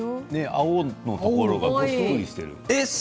青のところがぷっくりしている。